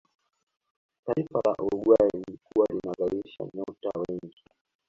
taifa la uruguay lilikuwa linazalisha nyota wengi